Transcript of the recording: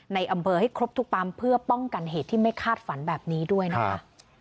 ในอำเภอให้ครบทุกปั๊มเพื่อป้องกันเหตุที่ไม่คาดฝันแบบนี้ด้วยนะคะ